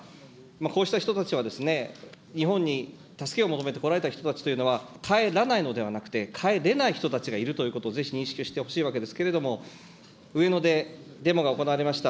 こうした人たちは日本に助けを求めてこられた人たちというのは帰らないのではなくて、帰れない人たちがいるということをぜひ認識をしてほしいわけですけれども、上野でデモが行われました。